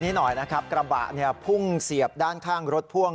นี้หน่อยนะครับกระบะเนี่ยพุ่งเสียบด้านข้างรถพ่วง